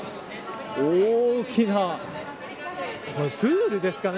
大きなプールですかね。